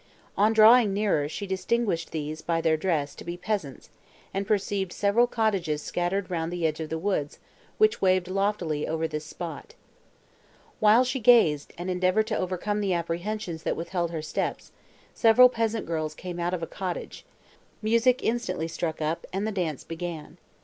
On drawing nearer, she distinguished these, by their dress, to be peasants, and perceived several cottages scattered round the edge of the woods, which waved loftily over this spot. While she gazed, and endeavoured to overcome the apprehensions that withheld her steps, several peasant girls came out of a cottage; music instantly struck up, and the dance began.